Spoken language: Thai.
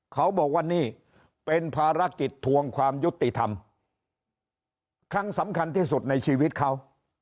เขาบอกว่านี่เป็นภารกิจทวงความยุติธรรมครั้งสำคัญที่สุดในชีวิตเขา